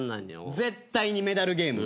絶対にメダルゲーム。